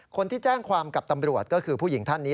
คนที่แจ้งความกับตำรวจก็คือผู้หญิงท่านนี้